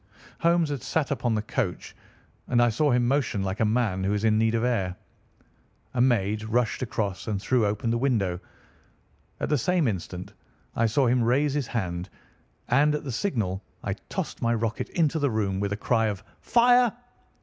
Holmes had sat up upon the couch, and I saw him motion like a man who is in need of air. A maid rushed across and threw open the window. At the same instant I saw him raise his hand and at the signal I tossed my rocket into the room with a cry of "Fire!"